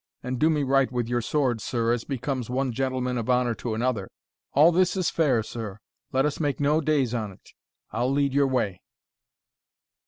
And do me right with your sword, sir, as becomes One gentleman of honour to another; All this is fair, sir let us make no days on't, I'll lead your way.